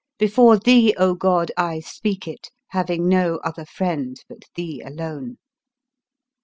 Before thee, 0 God, I speak it, having no other friend but thee alone!"